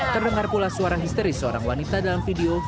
terdengar pula suara histeris seorang wanita dalam video